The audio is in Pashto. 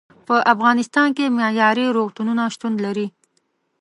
په افغانستان کې معیارې روغتونونه شتون لري.